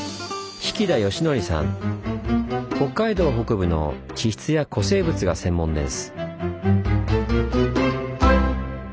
北海道北部の地質や古生物が専門です。